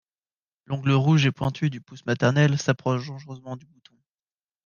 L’ongle rouge et pointu du pouce maternel s’approche dangereusement du bouton.